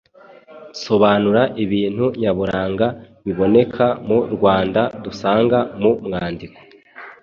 Sobanura ibintu nyaburanga biboneka mu Rwanda dusanga mu mwandiko.